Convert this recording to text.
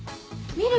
見る！